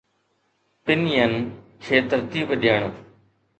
پن ين کي ترتيب ڏيڻ